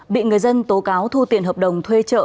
bị người dân tố cáo thu tiền hợp đồng thuê trợ